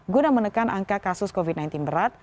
guna menekan angka kasus covid sembilan belas berat